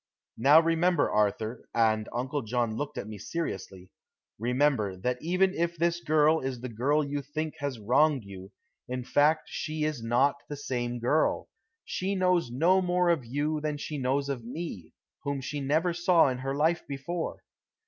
Now remember, Arthur," and Uncle John looked at me seriously; "remember, that even if this girl is the girl you think has wronged you, in fact she is not the same girl. She knows no more of you than she knows of me, whom she never saw in her life before.